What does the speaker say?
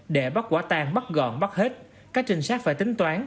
để bắt quả tàn bắt gọn bắt hết các trình sát phải tính toán